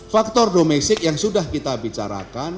faktor domestik yang sudah kita bicarakan